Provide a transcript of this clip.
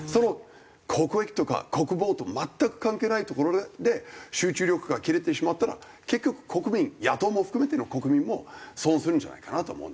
国益とか国防とか全く関係ないところで集中力が切れてしまったら結局国民野党も含めての国民も損をするんじゃないかなと思うんです。